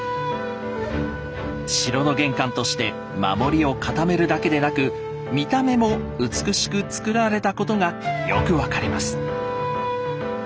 城の玄関として守りを固めるだけでなく見た目も美しく造られたことがよく分かります。